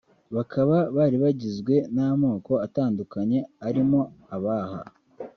bakaba bari bagizwe n’amoko atandukanye arimo Abaha